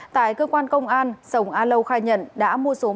tại cơ quan công an sông a lâu khai nhận đã mua số ma túy